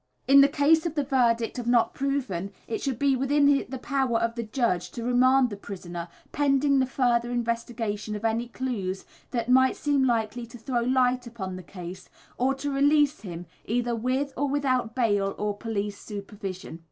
In the case of the verdict of "Not Proven" it should be within the power of the judge to remand the prisoner, pending the further investigation of any clues that might seem likely to throw light upon the case; or to release him, either with or without bail or police supervision.